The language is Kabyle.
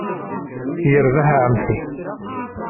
Yarbaḥ a Ɛemti.